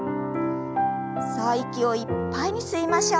さあ息をいっぱいに吸いましょう。